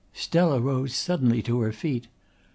Stella rose suddenly to her feet.